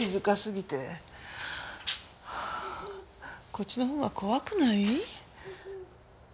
こっちの方が怖くない？